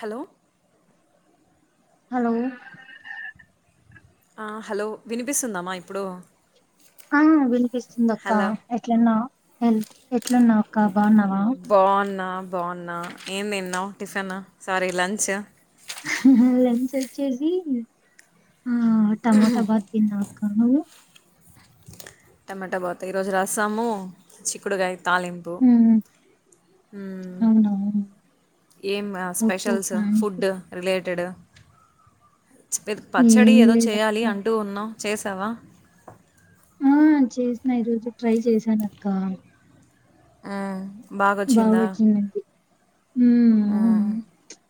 Hello hello ఆ hello వినిపిస్తుందమ్మా ఇప్పుడు అవును వినిపిస్తుంది అక్క హలో ఎట్లున్నా హెల్త్ ఎట్లున్నావాక్క బాగున్నావా బాగున్నా బాగున్నా ఏం తిన్నావ్ టిఫిన్ సారీ లంచ్ సరియే లంచ్ వచ్చేసి ఆ టమాోటా బాత్ తిన్న కాదా టమాటా బాత్ ఈ రోజు రసం చిక్కుడుగాయ్ తాలింపు ఉమ్ హు అవునా ఏం ఓకే స్పెషల్స్ అక్క ఫుడ్ రిలేట్ పెడ పచ్చడి ఏమి ఏదో లేదక్క చేయాలి అంటూ ఉన్నావ్ చేసావా ఆ చేసిన ఈరోోజు ట్రై చేసాను అక్క హా బాగు వచ్చిందండి హు హు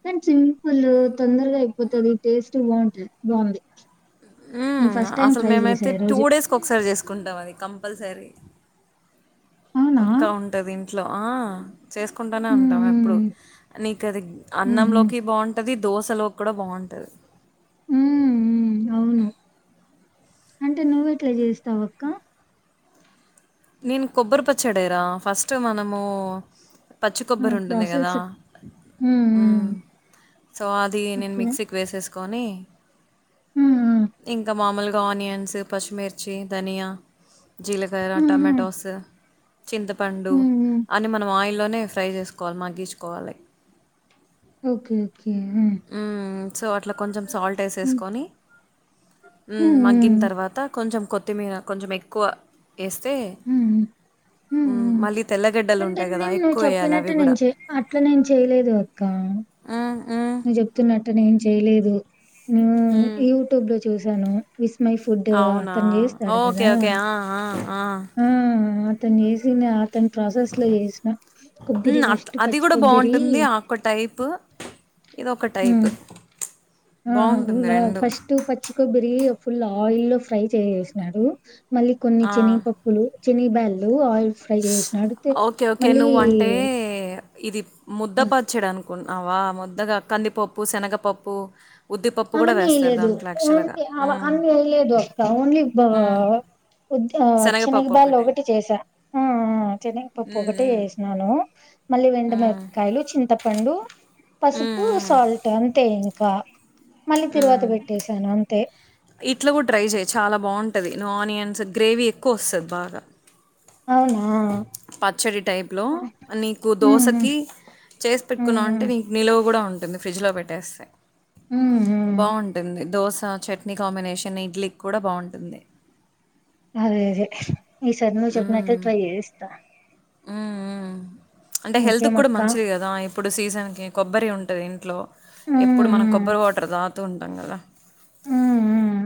కాని సింపుల్ తొందరగా అయిపోతుది టేస్ట్ బాగుంది బాగుంది హు నేను ఫస్ట్ టైం అసలు ట్రై చేసా మేమైతే ఈ టూ రోజు డేస్కి ఒకసారి చేసుకుంటాం అది కంపల్సరీ అవునా పక్కా ఉంటంది ఆ ఇంట్లో చేసుకుంటూనే ఉమ్ ఉంటాం ఎప్పుడు ఉమ్ పెరుగు అన్నం ఉహు లోకి బాగుంటది దోశ అక్కడ బాగుంటుంది. ఉమ్ ఉమ్, అవును అంటే నువ్వెట్లా చేస్తావక్కా నేను కొబ్బరి పచ్చడేరా ఫస్ట్ మనము పచ్చి ఆ! కొబ్బరి ఉంటుంది కదా ప్రాసెస్. హ్మ్. ఉమ్ హ్మ్. సో అది నేను ఓకే. మిక్సీకి వేసేసు కొనే హ్మ్. హ్మ్. ఇంక మామూలుగా ఇంక ఆనియన్స్ పచ్చిమిర్చి ధనియా జీలకర్ర హుహు. టమాటోస్ చింతపండు హ్మ్. హ్మ్. అన్ని మనం ఆయిల్లోనే ఫ్రై చేసుకోవాలి మగ్గించుకోవాలి ఓకే ఓకే. ఆ! సో అట్లా కొంచెం సాల్ట్ హ్మ్. వేసేసుకొని హ్మ్. మగ్గిన హ్మ్. తర్వాత కొంచెం కొత్తిమీర కొంచెం ఎక్కువ వేస్తే హ్మ్. హ్మ్. హ్మ్. మళ్ళీ తెల్లగడ్డలు అంటే ఉంటాయి కదా నేను నువ్వు ఎక్కువ వేయాలి చెప్పినట్టు అవి నేను కూడా చే అట్లా నేను చేయలేదు ఊ చెప్పినట్టు నేను చేయలేదు ఇది హ్మ్. యూట్యూబ్ లో చూసి చూశాను విస్మయి ఫుడ్ అవునా! అతను చేస్తాడు ఓకే. కదా ఓకే. ఆ! ఆ! ఆ తను చేసింద్ అతని ప్రాసెస్ లో చేసిన కొబ్బరి హ్మ్. అట్ ఫస్ట్ అది పచ్చి గూడా కొబ్బరి బావుంటుంది. ఆ ఒక టైపు. ఇదొక హ్మ్. టైపు బావుంటుంది ఆ ఫస్ట్ పచ్చికొబ్బ బిరి ఫుల్ ఆయిల్ లో ఫ్రై చేసేసి నాడు మళ్ళీ కొన్ని ఆ! చెనగపప్పులు చిన బెల్లు ఆయిల్ ఫ్రై చేసినాడు తె ఓకే ఓకే మళ్ళీ నువ్వు అంటే ఇది ఆహ్, ముద్దపచ్చడా ముద్దగా కందిపప్పు శనగపప్పు ఉద్దిపప్పు గూడా అవన్నీ వేస్తారు ఏయలేదు దాంట్లో యాక్చువల్‌గా. ఓన్లీ హ్మ్. అన్ని వేయలేదు అక్క ఓన్లీ హ్మ్ శనగపప్పు చిన్నగిబ్బాళ ఒక్కటే ఒకటి చేసా ఆ చెనగ పప్పు ఒకటే వేసినాను మళ్ళీ వెండుమిరపకాయలు చింతపండు హ్మ్ పసుపు హ్మ్ సాల్ట్ అంతే ఇంక ఇట్లా కూడా ట్రై చేయ్ చాలా బావుంటది ఆనియన్స్ గ్రేవీ ఎక్కువ వస్తుంది బాగా అవునా పచ్చడి టైప్లో హ్మ్. నీకు హ్మ్. దోశకి చేసి హ్మ్. పెట్టుకున్నావంటే హ్మ్. నీకు నిల్వ కూడా ఉంట కొన్ని ఫ్రిడ్జ్లో పెట్టేస్తాయి హ్మ్ హ్మ్ బాగుంటుంది దోస చట్నీ కాంబినేషన్ ఇడ్లీ కి కూడా బాగుంటుంది అదే అదే ఈ సారి నువ్వు చెప్పినట్టటు ట్రై చేస్తా మ్మ్ మ్మ్ అంటే హెల్త్ కూడా ఇంకేమక్క మంచిది కదా ఇప్పుడు సీజన్కి కొబ్బరి ఉంటది ఇంట్లో హ్మ్ ఎప్పుడు మన కొబ్బరి వాటర్ దాగ్ తో ఉంటం గద మ్మ్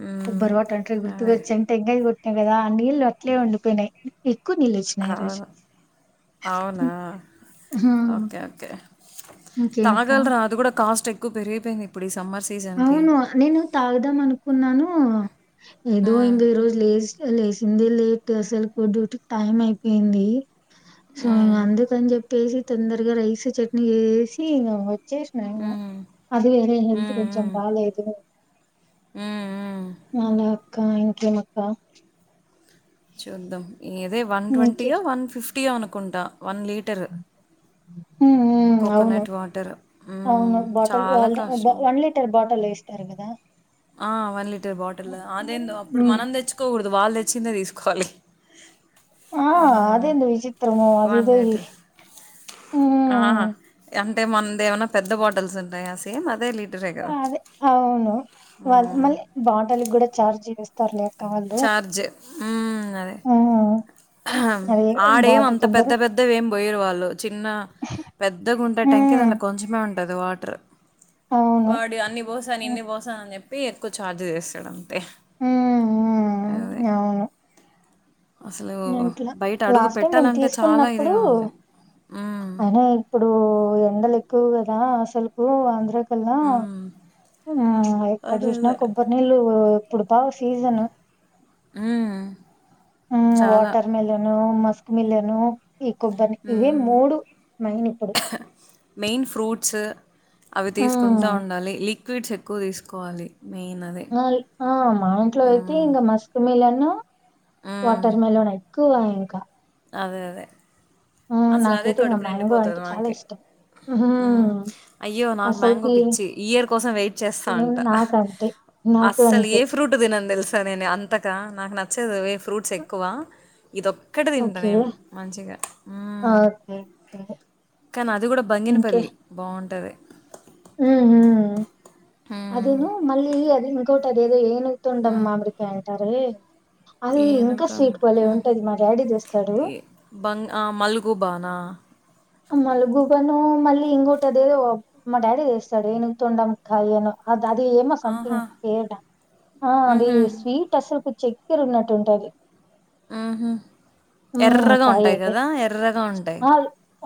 హ్మ్ కొబ్బరీ వాటర్ అంటే గుర్తుకు అదే వచ్చింది టెంకాయ్ గో కదా నీళ్లు అట్లే ఉండిపోయినాయి ఎక్కువ నీళ్ళు వచ్చినాయి ఈ రోజు అవును అవునా హా ఓకే ఓకే ఇంకేమక్క తాగలరా అది కూడా కాస్ట్ ఏక్ ఎక్కువ పెరిగిపోయింది ఎపుడు ఈ సమ్మర్ సీజన్‌కి. అవును నేను తాగుదాం అనుకున్నాను ఏదో హ్మ్. ఇంకా ఈ రోజు లే లేసింది లేట్ అసలు డ్యూటీ కి టైం అయిపోయింది సో హ్మ్. అందుకని చెప్ ప్పేసి తొందరగా రైస్ చట్నీ వేసి ఇంగ వచ్చేసిన ఇంగ హ్మ్. అదే అదే హ్మ్. హెల్త్ కొంచెం కొంచం హ్మ్. బాలేదు హ్మ్. హ్మ్. అలా అక్క ఇంకే అక్క చూద్దాం ఏదో వన్ ట్వంటీ ఇంకే యో వన్ ఫిఫ్ పీఓ అనుకుంటా వన్ లీటరు ఉమ్ ఉమ్ అవును కోకోనట్ వాటర్ అవును చాలా కష్టం స్తారు కదా ఆ one litre bottle online అప్పుడు ఉమ్ మనం తెచ్చుకోకూడదు వాళ్ళు తెచ్చ ఇచ్చిందే తీసుకోవాలి ఆ అది హ్మ్. ఏందో విచిత్రము అదేదో లీటర్. ఆ ఉమ్ అంటే మంది ఏమన్నా పెద్ద బాటిల్స్ ఉన్నాయా సేమ్ అదే లీ అదే అవును మ్మ్ మళ్ళీ బాటల్ కూడా చార్జ్ చేస్ తర్లే చార్జ్ మ్మ్ అదే ఉమ్ అది ఆడేం బాటిల్ అంత పెద్ద కొబ్బరి పెద్ద ఏమి పోయారు వాళ్ళు చిన్న పెద్దగా ఉండే టేకాయ్ ఉమ్ దాలో కొంచెమే ఉంట్ దువాటర్ అవును వాడు అన్ని పోసాను ఇన్ని ఉమ్ పోసాను అని చెప్ పే ఎక్కువ ఛార్జ్ చేస్తాడు అంతే అదే ఉమ్ అసలు ఇంట్ల బయట అడుగు లాస్ట్ టైం మేము పెట్టాలంటే చాలా తీసుకున్నప్పుడు ఇదిగా ఉంది మ్మ్ అయినా ఇప్పుడు ఎండలు ఎక్కువు కదా అసలుకు ఆంధ్ర హలో మ్మ్ ఆ ఎక్కడ అదే చూసినా అదే కొబ్బరి నీళ్ళు ఇప్పుడు పావ్ సీజన్ మ్మ్ మ్మ్ చాలా వాటర్ మలన్ మ మస్క్ మిలన్ ను ఈ కొబ్బరిని ఇవి మ్మ్ మూడు మైన్ ఇప్పుడు మెయిన్ ఫ్రూట్స్ అవి హ్మ్ తీసుకుంటా ఉండాలి లీక్ ఫ్రూట్స్ ఎక్కువ తీసుకోవాలి మెయిన్ అది. ఆ మా ఇంట్లో అయితే హ్మ్. ఇంకా మస్క్ మిలన్ హలో హ్మ్. వాటర్మిలన్ అయ్ కువా ఇంకా అదే అదే హ్మ్ అసలు అదే నాకైతే ఇంగ కడుపు మ్యాంగో అంటే నిండిపోతాది చాలా మకి ఇష్టం. ఉ హ్మ్ అయ్యో నాకు మ్యాంగో అసలుకి పిచ్చి ఈ ఇయర్ కోసం వెయిట్ చేస్తా ఏం ఉంటా నాకంతే నాకు అస్సలు అంతే ఏ ఫ్రూట్ తినను తెలుస్ నేను అంతక నాకు నచ్చేదు వేపు ఫ్రూట్స్ ఎక్కువ ఇదొక్కటి తిం ఓకే అదేఏం మంచిగా ఓకే ఓకే అది కూడా బంగినపల్లి బాగు ఉంటాది ఉ ఉ హ్మ్. అదేను మళ్ళీ అది తోటది ఏదో ఎను తుంటం మామిడి కాయ నీ టారే ఏనుగుతం డాడీ తెస్తాడు. బంగ్ మల్గుబానా మలుగుబను మల్ ఇంగోట అదేదో మా డాడీ తేస్తాడే ఏనుగు తొండంకాయ్ ఆగ్ అది ఏమ ఆహా సంథింగ్ కేట అది మ్హూ, స్వీట్ అసలు చీకేరా ఉన్నట్టు ఉంటది మ్మ్హు హ్మ్. ఎర్రగా ఉంటాయి కదా ఎర్రగా ఉంటాయి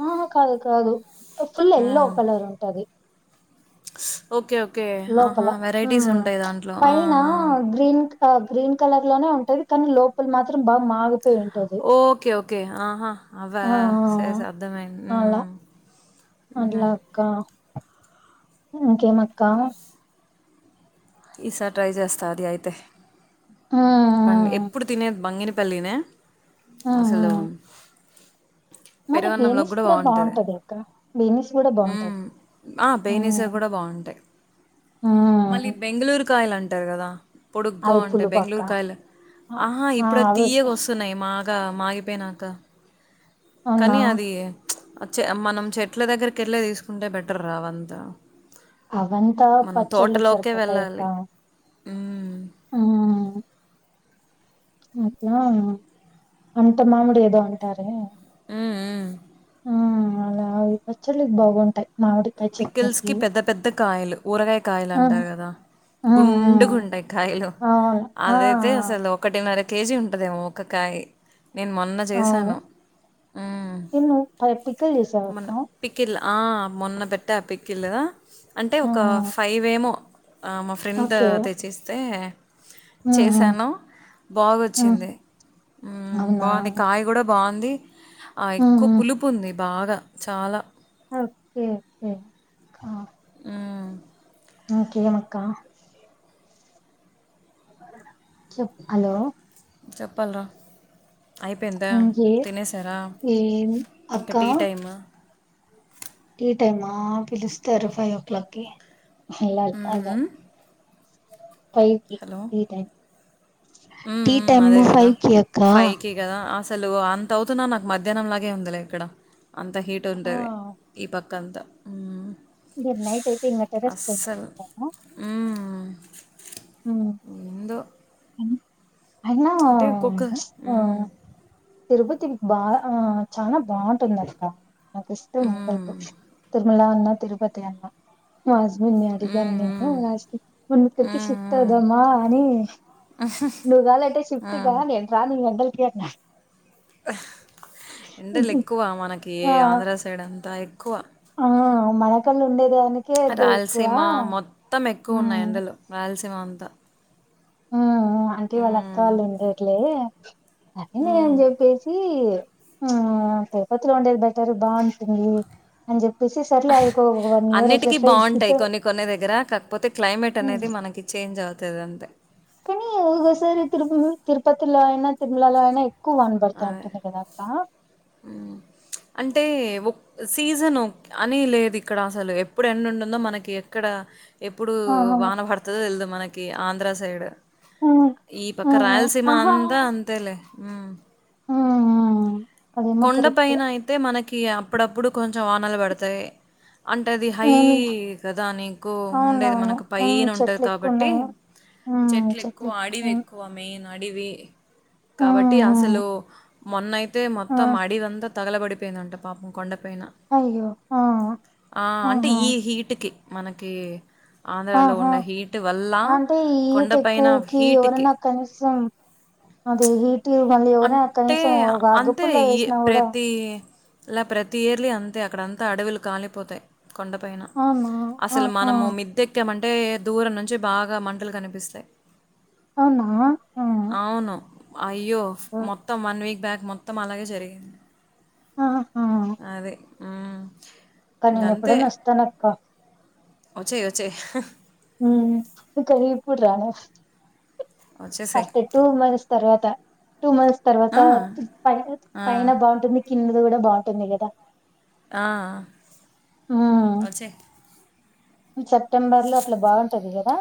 ఆ కాదు కాదు ఫుల్ ఎల్లో మ్. కలర్ ఉంటది ఓకే ఓ లోపల ఆ, పైన ఆ. గ్రీన్ గ్రీన్ కలర్ లోనే ఉంటది కానీ లోపల మాత్రం బాగా మాగు ఓకే ఓకే ఆహా అవ ఆ ఆ సే సేధమే అట్లాక్క ఇంకేమ్ అక్క ఈసారి ట్రై చేస్తా ఆది అయితే ఆ పన్ ఎప్పుడు తినేది భంగినా పల్లిన అసలు మరి పెరుగన్నంలో బేనిస్ కూడా బాగుంటుంది బాగుంటది అక్క బేనిస్ కూడా బాగుంటది బేనీసే కూడా బాగుంటాయి మళ్ళీ బెంగళూరు కాయలు అంటారు కదా పొడుగ్గా అది ఉంటాయి పులుపక్క బెంగళూరు కాయలు ఆహా ఇప్పుడ ది తీయగా వస్తున్నాయి మా మాగా మాగి పోయినక అవునా కని అది చె మనం చెట్ల దగ్గరికి ఏలే తీసుకుంటే బెటర్ రా వంతా అవంతా పచ్చళ్ళు సరిపోతాయి అక్క వెళ్ళాలి మ్మ్ మ్మ్ అద అంట మామిడి ఏదో అంటారే ఆ ఆ ఆ అలా ఆ పచ్చల్లికి బాగుంటాయ్ పికిల్స్ కి పెద్ద పెద్ద కాయలు ఊరగాయ కాయలు ఆ అంటారు కదా ఆ గుండుగుంటాయి కాయలు ఆ అవును ఆ అదైతే ఆ! అసలు ఒకటిన్నర కేజీ ఉంటుదేమో ఒక కాయి నేను మొన్న అవును చేశాను నేను ప పిక్కలు చేసావక్క మొన్న పికిలా ఆ మొన్న పెట్ట పెట్ట పికిల్ అంటే ఆ ఒక ఫైవ్ ఏమో మా ఫ్రెండ్ ఓకే తెచ్చిస్తే ఉమ్ ఉమ్ చేసాను ఉమ్. బాగుొచ్చింది అవునా బాగుంది కాయ కూడా బాగుంది ఆ ఉమ్ ఎక్కువ ఉమ్ పులుపు ఉంది బాగ చాలా ఒకే ఒకే హ్మ్. కేమ అక్కా చెప్ హలో చెప్పల ర అయిపోయిందా ఇంకే తినేశారా ఏం ఇంకా అక్క టీ టైమ్ టీ టైమా పిలుస్తారు ఫైవ్ ఓ క్లాక్ కి ఏల్లాలి హ్మ్. అ హ్మ్. ఫైవ్ కీ టీ టైమ్ టీ హమ్ టైమ్ అదే కద ఫైవ్ కి అక్క ఫైవ్ కి కదా అసలు అంత అవుతున్నా నాకు మధ్యాహ్నంలాగే ఉందిలే ఇక్కడ అంత హీట్ ఆ ఉంటది ఈ పక్క కంత మీరు నైట్ అయితే ఇం టెర్రస్ పటతరా ఎంధో అన్న ఒక్కొక్క ఆ హ్మ్. తిరుపతి బా చాలా బాగుంటుందిక్క నాకు ఇష్టం హ్మ్. తెలుపు ములా అన్న తిరుపతి అన్నా మా మున్ని అడిగాను హ్మ్. హ్మ్. నేనుస్తి ముందు కకి హ్మ్. షిఫ్ట్ హ్మ్. అవుదమ్మా అని నువ్వు కాాలంటే షిఫ్ట్గా నేను రాన్ ఈ ఎండల్ కేతన ఎండలు ఎక్కువ మనకి ఆ ఆంధ్ర సైడ్ అంతా ఎ కువ ఆ మనకల్ ఉండేద రాయలసీమ మొత్తం ఎక్కువ ఉన్నాయి మ్మ్ ఎండలు రాయలస మంత హమ్ అంటే వాళ్ళత్త వాళ్ళు ఉండేట్లే అని నే అని హ్మ్. చెప్పేసి పెేపతులు [unintelligible] వండేది బెటర్ బాగుంటుంది అని చెప్ప అన్నిటికీ బాగుంటాయి కొన్ని చేద్దాం కొన్ని దగ్గర కాకపోతే క్లైమేట్ అనేది మనకి చేంజ్ అవుతుంది అంతే కానీ ఒ ఒకసారి తిరు తిరుపతిలో అయినా తిరుమలలో అయిన ఎక్కువ వాన పడుతా అదే ఉంటుంది కదా అక్క సీజన్ అని లేదు ఇక్కడ అసలు ఎప్పుడు ఎండు ఉంటుందో మనకి ఎక్కడ ఎప్పుడు వాన పడుతదో తేలిదు మనకి ఆంధ్ర సైడ్ ఉమ్ ఈ పక్క ఉహు రాయలసీమ ఆహా అంతా అంతేలే హమ్ ఉమ్ అదేమో కొండ కరెక్టే పైన అయితే మనకి ఇక అప్పుడప్పుడు కొంచెం వానలు పడతాయి అంటే అది హై నేను కదా అని ఇంకు ఉండేది అవునవును మనకు ఉమ్ పైన ఉంటుంది చెట్లు ఎక్కువ కాబట్టి ఉన్నాయి చెట్లు ఎక్కువ అడవి ఎక్కువ మెయిన్ అడివి కాబట్టి ఉమ్ అసలు మొన్నయితే ఉమ్ మాడిదంత తగలబడిపోయిందంట పాపం కొండ అయ్యో ఆ ఆ! అంటే ఆహా ఈ హీట్‌కి మనకి ఆంధ్రాలో ఆహా ఉండే హీట్ వల్ల అంటే ఈ హీట్ కొండపైన ఎక్కువకి హీట్‌కి. ఎవరన్న కనీసం అదే హీటు అంటే అంతే ఈ వేసినా కూడా ప్రతీ ఇలా ప్రతి ఇయర్లీ అంతే అక్కడంతా అడవులు కాలిపోతాయి కొండపైన అవునా అస్సలు ఆహా మనము మిద్దెక్కమంటే అంటే దూరం నుంచి బాగా మంటలు కనిపిస్తాయి అవునా అవును. అయ్యో మొత్తం వన్ వీక్ భ్యాక్ మొత్తం అలాగే జరిగింది ఆహా అదే హమ్ అ నేను ఎప్పుడే న వస్తానక్క వచ్చే వచ్చే కరిపూరా ను ఒచ్చేసేయి. ఆఫ్టర్ టూ మంత్స్ తర్వాత టూ మంత్స్ తర్వాత ఆ! ప్ పైన ఆ! పైన బాగుంటుంది కిందది కూడా బాగుంటుంది కదా ఆ అడిసే హు సెప్టెంబర్ లో అట్లా బాగుంటది కదా